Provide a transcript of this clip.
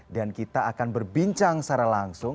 kita akan berbincang secara langsung